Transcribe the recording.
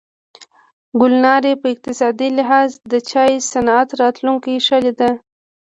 ګلنارې په اقتصادي لحاظ د چای صنعت راتلونکې ښه لیده.